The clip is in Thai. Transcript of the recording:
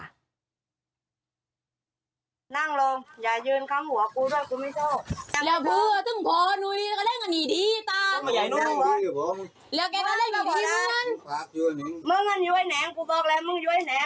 อ๋ออ๋ออย่าทำตาพี่อย่าทำไม่ไม่อย่าทำอย่าทำอย่าทำ